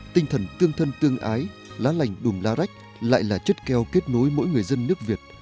tinh thần tương thân tương ái lá lành đùm lá rách lại là chất keo kết nối mỗi người dân nước việt